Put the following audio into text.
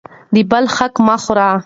د بل حق مه خورئ.